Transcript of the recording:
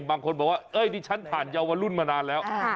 บางคนบอกว่าดิฉันผ่านเยาวรุ่นมานานแล้ว